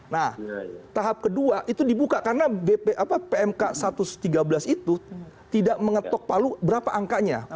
nah tahap kedua itu dibuka karena pmk satu ratus tiga belas itu tidak mengetok palu berapa angkanya